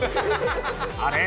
あれ？